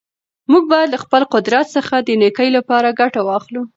موږ باید له خپل قدرت څخه د نېکۍ لپاره ګټه واخلو.